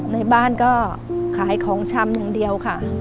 ในบ้านก็ขายของชำอย่างเดียวค่ะ